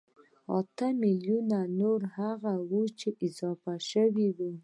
اتيا ميليونه نور هغه وو چې اضافه شوي وو